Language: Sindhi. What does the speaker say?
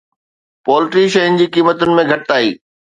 پولٽري شين جي قيمتن ۾ گهٽتائي